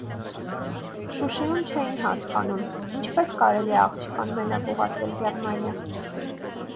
Շուշիում չէին հասկանում՝ ինչպես կարելի է աղջկան մենակ ուղարկել Գերմանիա։